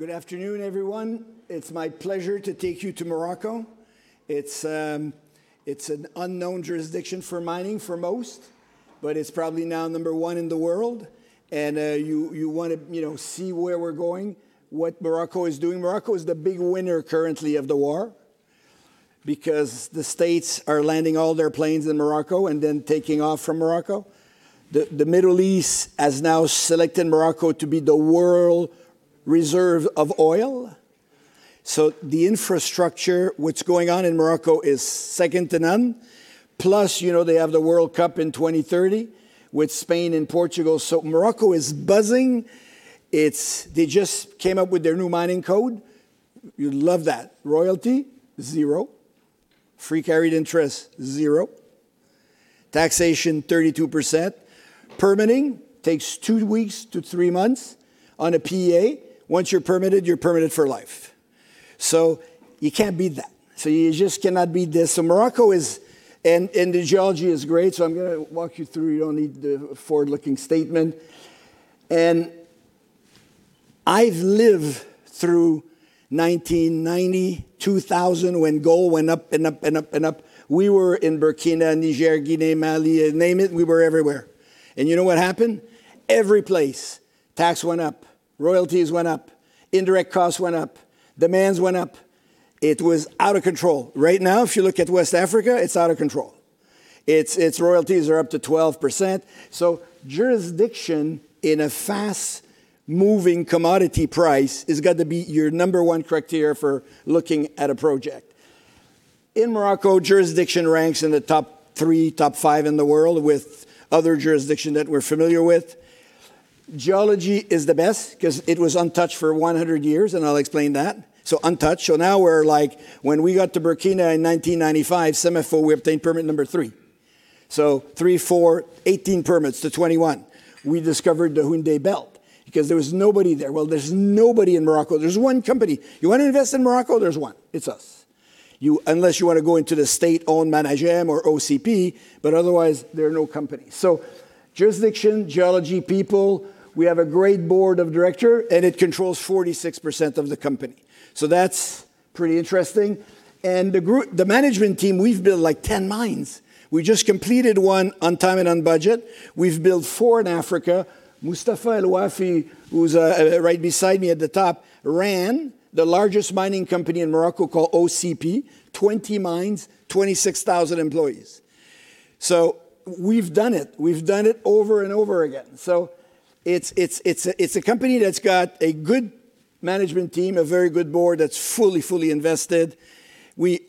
Good afternoon, everyone. It's my pleasure to take you to Morocco. It's an unknown jurisdiction for mining for most, but it's probably now number one in the world. You want to see where we're going, what Morocco is doing. Morocco is the big winner currently of the war, because the States are landing all their planes in Morocco and then taking off from Morocco. The Middle East has now selected Morocco to be the world reserve of oil. The infrastructure, what's going on in Morocco is second to none. Plus, they have the World Cup in 2030 with Spain and Portugal. Morocco is buzzing. They just came up with their new mining code. You'd love that. Royalty, zero. Free carried interest, zero. Taxation, 32%. Permitting takes two weeks to three months on a PEA. Once you're permitted, you're permitted for life. You can't beat that. You just cannot beat this. Morocco is, the geology is great, so I'm going to walk you through. You don't need the forward-looking statement. I've lived through 1990, 2000, when gold went up and up and up. We were in Burkina, Niger, Guinea, Mali. You name it, we were everywhere. You know what happened? Every place, tax went up, royalties went up, indirect costs went up, demands went up. It was out of control. Right now, if you look at West Africa, it's out of control. Its royalties are up to 12%. Jurisdiction in a fast-moving commodity price has got to be your number one criteria for looking at a project. In Morocco, jurisdiction ranks in the top three, top five in the world with other jurisdiction that we're familiar with. Geology is the best because it was untouched for 100 years, and I'll explain that. Untouched. Now we're like, when we got to Burkina in 1995, SEMAFO, we obtained permit number three. Three, four, 18 permits to 21. We discovered the Houndé Belt because there was nobody there. Well, there's nobody in Morocco. There's one company. You want to invest in Morocco? There's one. It's us. Unless you want to go into the state-owned Managem or OCP, but otherwise, there are no companies. Jurisdiction, geology, people. We have a great board of director, and it controls 46% of the company. That's pretty interesting. The management team, we've built 10 mines. We just completed one on time and on budget. We've built four in Africa. Mustapha Elouafi, who's right beside me at the top, ran the largest mining company in Morocco called OCP, 20 mines, 26,000 employees. We've done it. We've done it over and over again. It's a company that's got a good management team, a very good board that's fully invested, and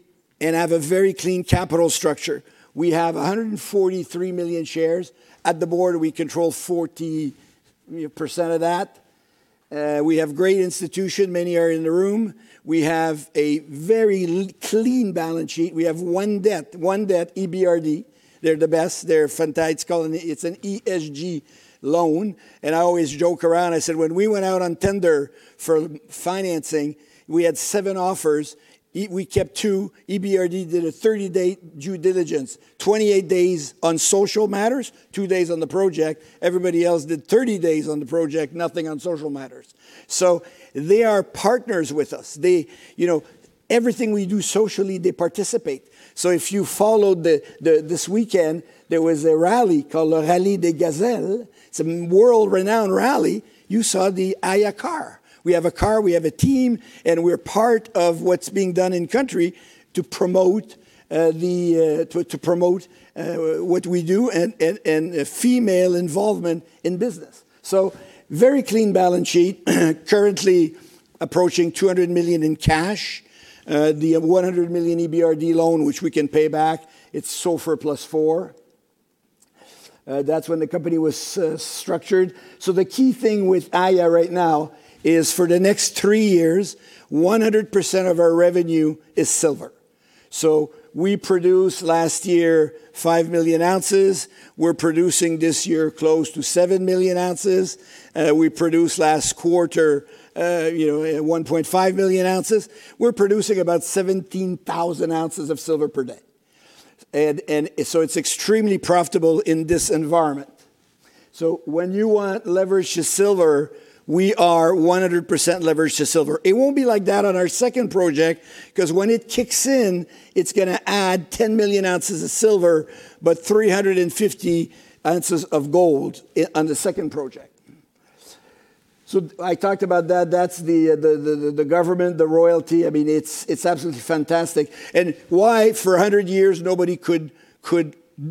have a very clean capital structure. We have 143 million shares. At the board, we control 40% of that. We have great institution. Many are in the room. We have a very clean balance sheet. We have one debt, EBRD. They're the best. They're fantastic. It's an ESG loan. I always joke around. I said, when we went out on tender for financing, we had seven offers. We kept two. EBRD did a 30-day due diligence, 28 days on social matters, two days on the project. Everybody else did 30 days on the project, nothing on social matters. They are partners with us. Everything we do socially, they participate. If you followed this weekend, there was a rally called the The Rallye Aïcha des Gazelles. It's a world-renowned rally. You saw the Aya car. We have a car, we have a team, and we're part of what's being done in country to promote what we do and female involvement in business. Very clean balance sheet. Currently approaching $200 million in cash. The $100 million EBRD loan, which we can pay back, it's SOFR plus four. That's when the company was structured. The key thing with Aya right now is for the next three years, 100% of our revenue is silver. We produced last year five million ounces. We're producing this year close to seven million ounces. We produced last quarter 1.5 million ounces. We're producing about 17,000 ounces of silver per day. It's extremely profitable in this environment. When you want leverage to silver, we are 100% leveraged to silver. It won't be like that on our second project because when it kicks in, it's going to add 10 million ounces of silver, but 350 ounces of gold on the second project. I talked about that. That's the government, the royalty. It's absolutely fantastic. Why for 100 years, nobody could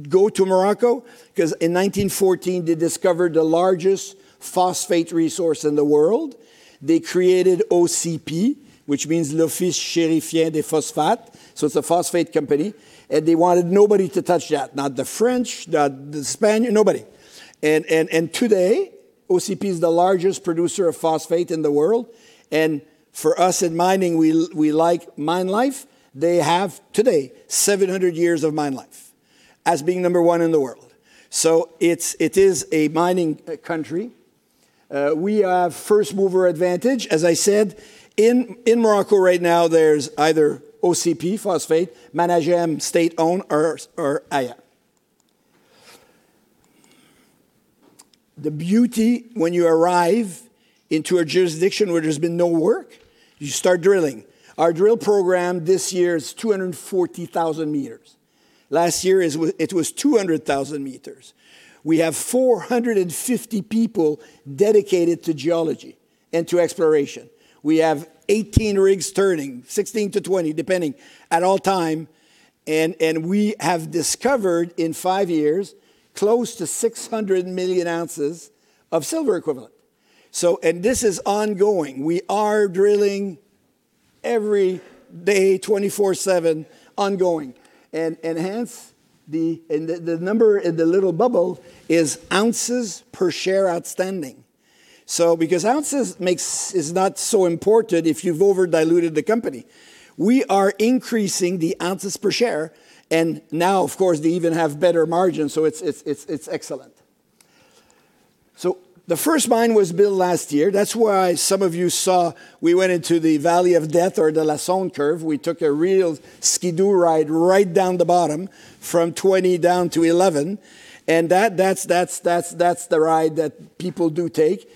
go to Morocco? Because in 1914, they discovered the largest phosphate resource in the world. They created OCP, which means Office Chérifien des Phosphates. It's a phosphate company. They wanted nobody to touch that, not the French, not the Spaniard, nobody. Today, OCP is the largest producer of phosphate in the world. For us in mining, we like mine life. They have today 700 years of mine life as being number one in the world. It is a mining country. We have first-mover advantage. As I said, in Morocco right now, there's either OCP phosphate, Managem state-owned, or Aya. The beauty when you arrive into a jurisdiction where there's been no work, you start drilling. Our drill program this year is 240,000 meters. Last year, it was 200,000 meters. We have 450 people dedicated to geology and to exploration. We have 18 rigs turning, 16-20, depending, at all time. We have discovered in five years close to 600 million ounces of silver equivalent. This is ongoing. We are drilling every day, 24/7, ongoing. Hence, the number in the little bubble is ounces per share outstanding. Because ounces is not so important if you've over-diluted the company. We are increasing the ounces per share and now, of course, they even have better margins, so it's excellent. The first mine was built last year. That's why some of you saw we went into the Valley of Death or the Lassonde Curve. We took a real Ski-Doo ride right down the bottom from $20 down to $11, and that's the ride that people do take.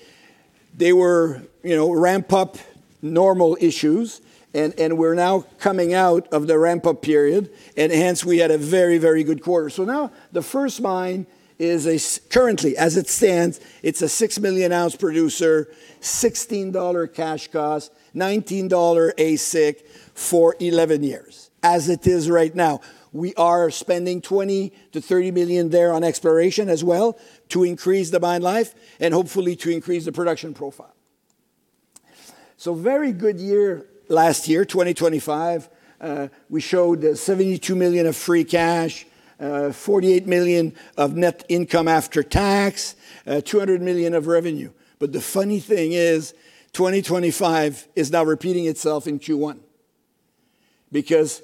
They were ramp-up normal issues, and we're now coming out of the ramp-up period, and hence we had a very good quarter. Now the first mine is currently, as it stands, it's a six million-ounce producer, $16 cash cost, $19 AISC for 11 years as it is right now. We are spending $20 million-$30 million there on exploration as well to increase the mine life and hopefully to increase the production profile. Very good year last year, 2025. We showed $72 million of free cash, $48 million of net income after tax, $200 million of revenue. The funny thing is 2025 is now repeating itself in Q1. The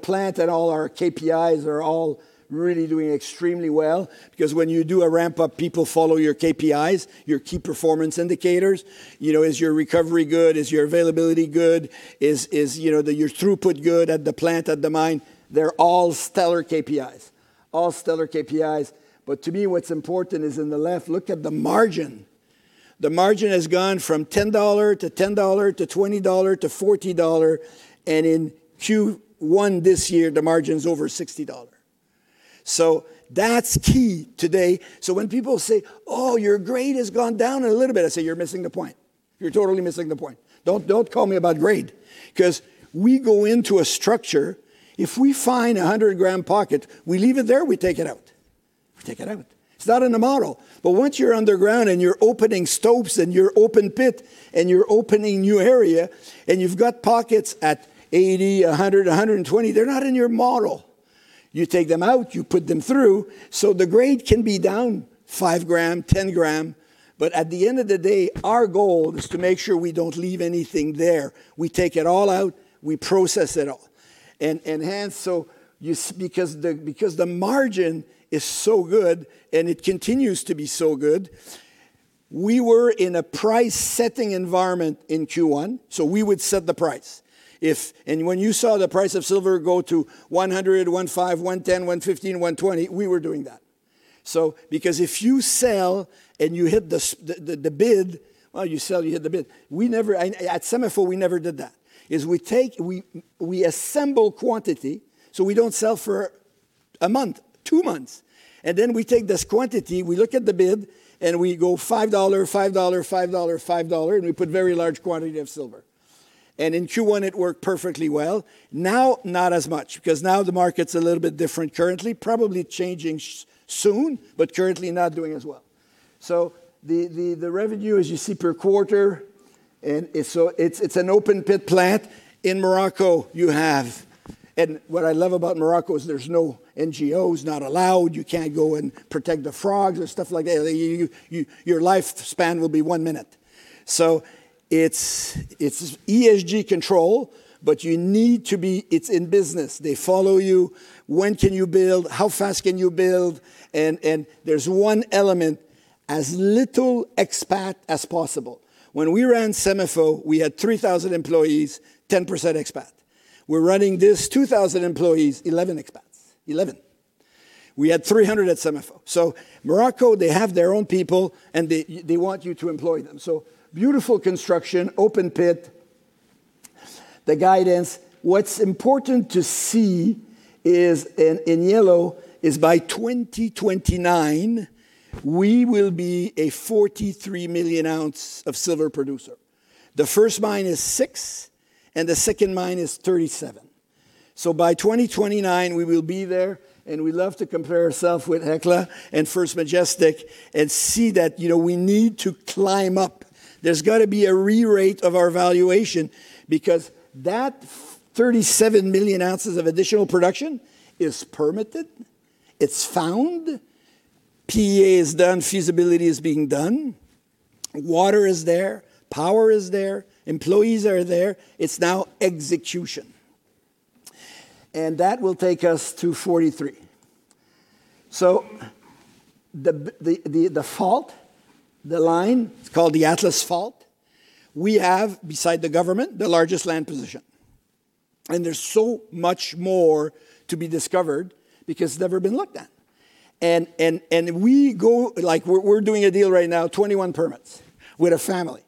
plant and all our KPIs are all really doing extremely well because when you do a ramp-up, people follow your KPIs, your Key Performance Indicators. Is your recovery good? Is your availability good? Is your throughput good at the plant, at the mine? They're all stellar KPIs. All stellar KPIs. To me, what's important is in the left, look at the margin. The margin has gone from $10 to $10 to $20 to $40, and in Q1 this year, the margin's over $60. That's key today. When people say, "Oh, your grade has gone down a little bit," I say, "You're missing the point. You're totally missing the point. Don't call me about grade. Because we go into a structure, if we find a 100-gram pocket, we leave it there, we take it out. We take it out. It's not in the model. Once you're underground and you're opening stopes and you're open-pit and you're opening new area and you've got pockets at 80, 100, 120, they're not in your model. You take them out, you put them through, so the grade can be down five gram, 10 gram, but at the end of the day, our goal is to make sure we don't leave anything there. We take it all out. We process it all. Hence, because the margin is so good and it continues to be so good, we were in a price-setting environment in Q1, so we would set the price. When you saw the price of silver go to $100, $105, $110, $115, $120, we were doing that. Because if you sell and you hit the bid, well, you sell, you hit the bid. At SEMAFO, we never did that. We assemble quantity, so we don't sell for a month, two months, and then we take this quantity, we look at the bid, and we go $5, $5, $5, $5, and we put very large quantity of silver. In Q1, it worked perfectly well. Now, not as much, because now the market's a little bit different currently. Probably changing soon, but currently not doing as well. The revenue, as you see per quarter, it's an open-pit plant. In Morocco, you have, what I love about Morocco is there's no NGOs, not allowed. You can't go and protect the frogs or stuff like that. Your lifespan will be one minute. It's ESG control, but it's in business. They follow you. When can you build? How fast can you build? There's one element, as little expat as possible. When we ran SEMAFO, we had 3,000 employees, 10% expat. We're running this 2,000 employees, 11 expats. 11. We had 300 at SEMAFO. Morocco, they have their own people, and they want you to employ them. Beautiful construction, open-pit. The guidance, what's important to see in yellow is by 2029, we will be a 43 million ounce of silver producer. The first mine is six, and the second mine is 37. By 2029, we will be there, and we love to compare ourself with Hecla and First Majestic and see that we need to climb up. There's got to be a re-rate of our valuation because that 37 million ounces of additional production is permitted. It's found. PEA is done. Feasibility is being done. Water is there. Power is there. Employees are there. It's now execution. And that will take us to 43. So the fault, the line, it's called the Atlas Fault, we have, beside the government, the largest land positionAnd there's so much more to be discovered because it's never been looked at. And we're doing a deal right now, 21 permits with a family.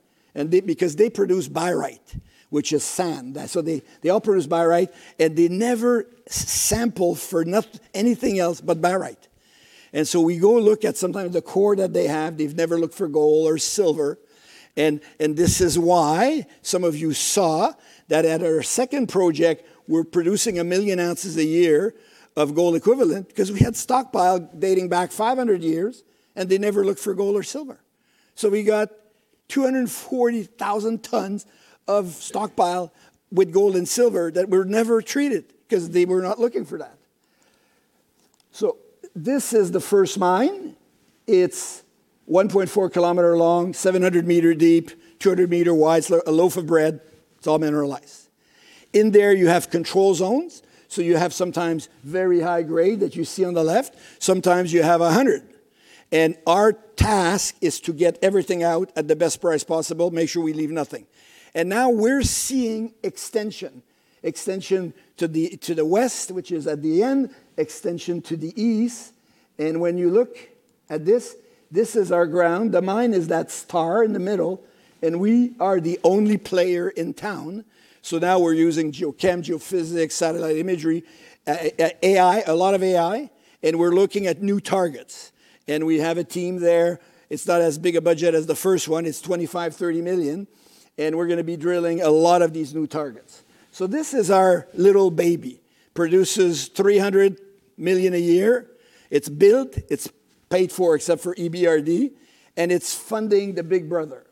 Because they produce barite, which is sand. So they all produce barite, and they never sample for anything else but barite. And so we go look at sometimes the core that they have, they've never looked for gold or silver. This is why some of you saw that at our second project, we're producing one million ounces a year of gold equivalent because we had stockpile dating back 500 years, and they never looked for gold or silver. We got 240,000 tons of stockpile with gold and silver that were never treated because they were not looking for that. This is the first mine. It's 1.4 km long, 700 m deep, 200 m wide. It's a loaf of bread. It's all mineralized. In there, you have control zones, so you have sometimes very high grade that you see on the left. Sometimes you have 100. Our task is to get everything out at the best price possible, make sure we leave nothing. Now we're seeing extension to the west, which is at the end, extension to the east. When you look at this is our ground. The mine is that star in the middle, and we are the only player in town. Now we're using geochem, geophysics, satellite imagery, AI, a lot of AI, and we're looking at new targets. We have a team there. It's not as big a budget as the first one. It's $25 million-$30 million. We're going to be drilling a lot of these new targets. This is our little baby. It produces $300 million a year. It's built, it's paid for except for EBRD, and it's funding the big brother.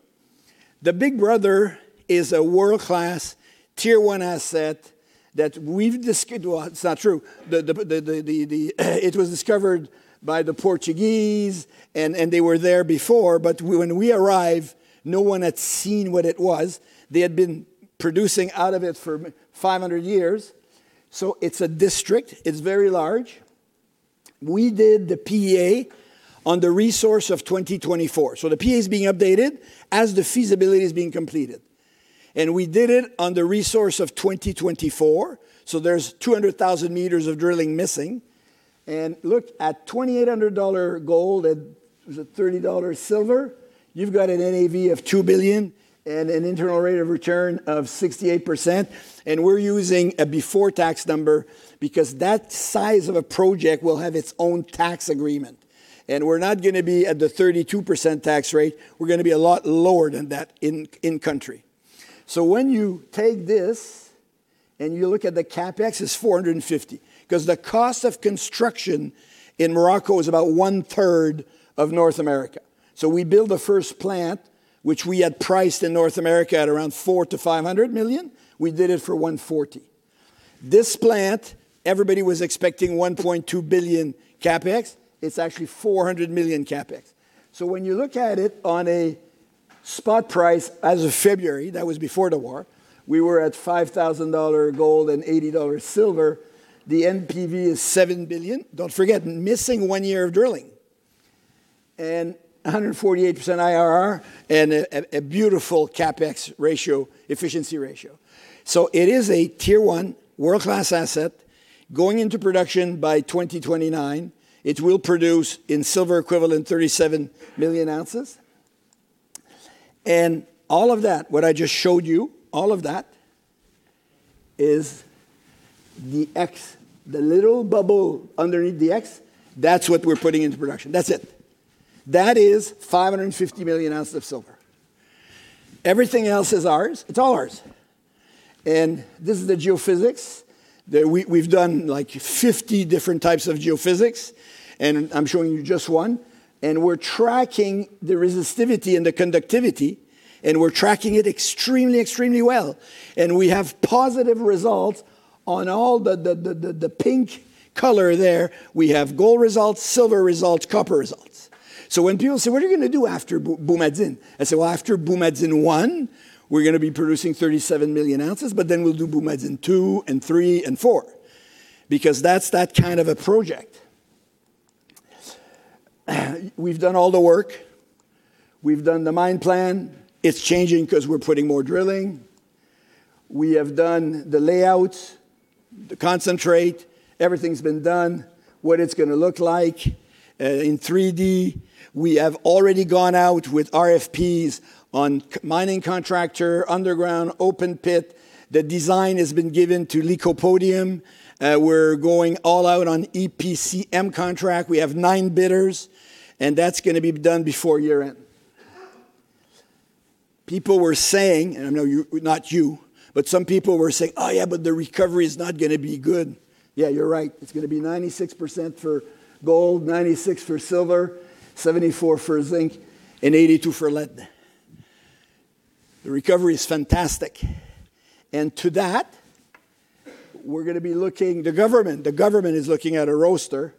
The big brother is a world-class tier one asset. Well, it's not true. It was discovered by the Portuguese, and they were there before. When we arrived, no one had seen what it was. They had been producing out of it for 500 years. It's a district. It's very large. We did the PEA on the resource of 2024. The PEA is being updated as the feasibility is being completed. We did it on the resource of 2024, so there's 200,000 meters of drilling missing. Look at $2,800 gold and is it $30 silver? You've got an NAV of $2 billion and an internal rate of return of 68%. We're using a before-tax number because that size of a project will have its own tax agreement. We're not going to be at the 32% tax rate. We're going to be a lot lower than that in-country. When you take this and you look at the CapEx is $450, because the cost of construction in Morocco is about one-third of North America. So we built the first plant, which we had priced in North America at around $400 million to $500 million. We did it for $140 million. This plant, everybody was expecting 1.2 billion CapEx. It's actually 400 million CapEx. So when you look at it on a spot price as of February, that was before the war, we were at $5,000 gold and $80 silver. The NPV is seven billion. Don't forget, missing one year of drilling. And 148% IRR and a beautiful CapEx ratio, efficiency ratio. So it is a tier one world-class asset going into production by 2029. It will produce in silver equivalent, 37 million ounces. And all of that, what I just showed you, all of that is the X, the little bubble underneath the X, that's what we're putting into production. That's it. That is 550 million ounces of silver. Everything else is ours. It's all ours. This is the geophysics. We've done 50 different types of geophysics, and I'm showing you just one. We're tracking the resistivity and the conductivity, and we're tracking it extremely well. We have positive results on all the pink color there. We have gold results, silver results, copper results. When people say, "What are you going to do after Boumadine?" I say, "Well, after Boumadine one, we're going to be producing 37 million ounces, but then we'll do Boumadine two and three and four," because that's that kind of a project. We've done all the work. We've done the mine plan. It's changing because we're putting more drilling. We have done the layouts, the concentrate, everything's been done, what it's going to look like in 3D. We have already gone out with RFPs on mining contractor, underground, open-pit. The design has been given to Lycopodium. We're going all out on EPCM contract. We have nine bidders, and that's going to be done before year-end. People were saying, and I know not you, but some people were saying, "Oh, yeah, but the recovery is not going to be good." Yeah, you're right. It's going to be 96% for gold, 96% for silver, 74% for zinc, and 82% for lead. The recovery is fantastic. To that, we're going to be looking. The government is looking at a roaster,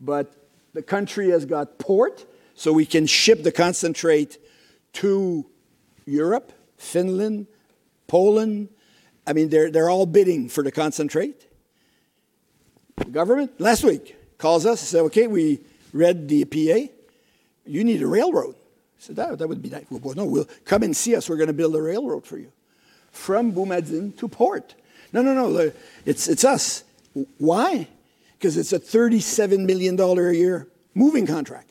but the country has got port, so we can ship the concentrate to Europe, Finland, Poland. They're all bidding for the concentrate. The government last week calls us and say, "Okay, we read the PEA. You need a railroad." I said, "That would be nice." "Well, no. Come and see us, we're going to build a railroad for you from Bou Azzer to port." "No, no. It's us." Why? Because it's a $37 million a year moving contract.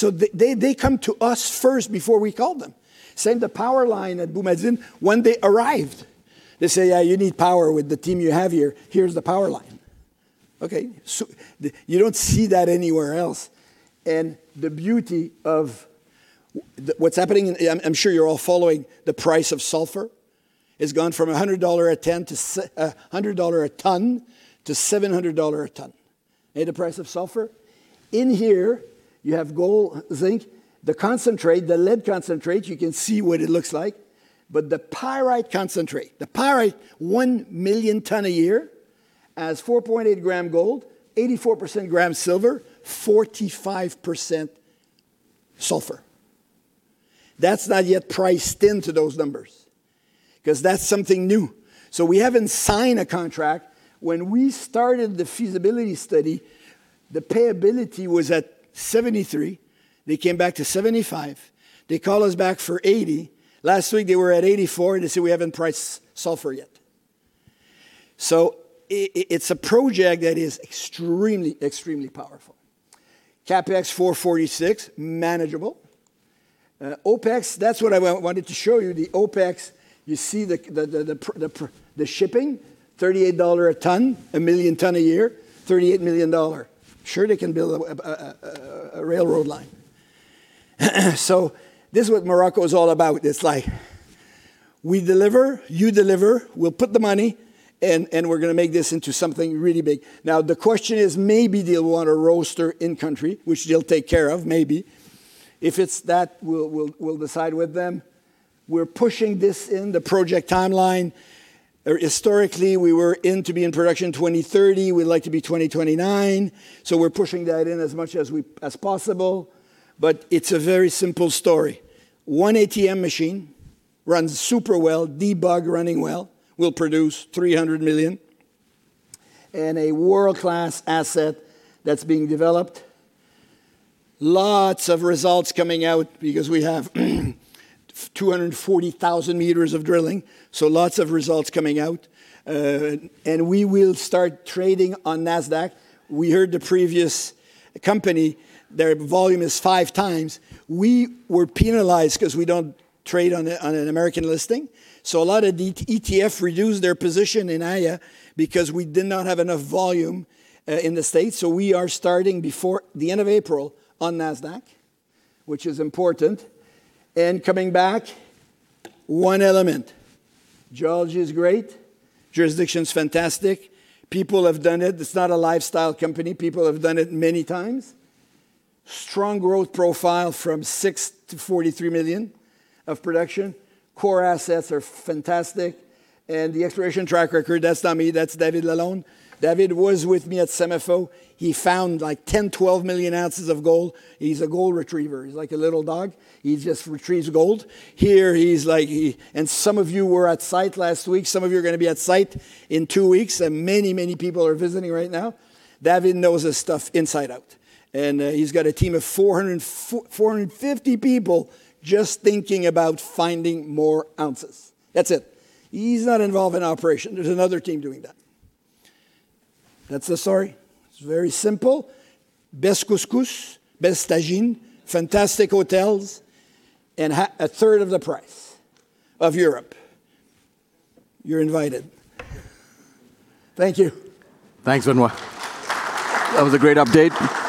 They come to us first before we call them. Same, the power line at Bou Azzer, when they arrived, they say, "Yeah, you need power with the team you have here. Here's the power line." Okay? You don't see that anywhere else, and the beauty of what's happening, I'm sure you're all following the price of sulfur. It's gone from $100 a ton-$700 a ton. Okay, the price of sulfur. In here, you have gold, zinc, the concentrate, the lead concentrate, you can see what it looks like. The pyrite concentrate, the pyrite, one million ton a year, has 4.8 gram gold, 84 gram silver, 45% sulfur. That's not yet priced into those numbers, because that's something new. We haven't signed a contract. When we started the feasibility study, the payability was at 73%. They came back to 75%. They called us back for 80%. Last week, they were at 84%, and they say we haven't priced sulfur yet. It's a project that is extremely powerful. CapEx $446, manageable. OpEx, that's what I wanted to show you. The OpEx, you see the shipping, $38 a ton, a million ton a year, $38 million. Sure they can build a railroad line. This is what Morocco is all about. It's like, we deliver, you deliver, we'll put the money, and we're going to make this into something really big. Now, the question is maybe they'll want a roaster in country, which they'll take care of, maybe. If it's that, we'll decide with them. We're pushing this in the project timeline. Historically, we were in to be in production 2030. We'd like to be 2029. We're pushing that in as much as possible. It's a very simple story. One ATM machine runs super well, Zgounder running well, will produce $300 million. A world-class asset that's being developed. Lots of results coming out because we have 240,000 meters of drilling, so lots of results coming out. We will start trading on Nasdaq. We heard the previous company, their volume is five times. We were penalized because we don't trade on an American listing. A lot of the ETF reduced their position in Aya because we did not have enough volume in the States. We are starting before the end of April on Nasdaq, which is important. Coming back, one element. Geology is great. Jurisdiction's fantastic. People have done it. It's not a lifestyle company. People have done it many times. Strong growth profile from six million-43 million of production. Core assets are fantastic. Exploration track record, that's not me, that's David Lalonde. David was with me at SEMAFO. He found 10 million-12 million ounces of gold. He's a gold retriever. He's like a little dog. He just retrieves gold. Some of you were at site last week. Some of you are going to be at site in two weeks, and many, many people are visiting right now. David knows his stuff inside out. He's got a team of 450 people just thinking about finding more ounces. That's it. He's not involved in operation. There's another team doing that. That's the story. It's very simple. Best couscous, best tagine, fantastic hotels, and a third of the price of Europe. You're invited. Thank you. Thanks, Benoit. That was a great update.